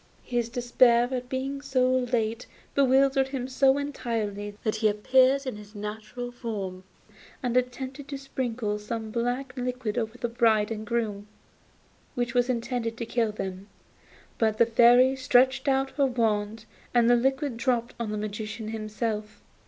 His despair at being so late bewildered him so entirely that he appeared in his natural form and attempted to sprinkle some black liquid over the bride and bridegroom, which was intended to kill them, but the Fairy stretched out her wand and the liquid dropped on the Magician himself.